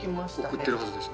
送ってるはずです。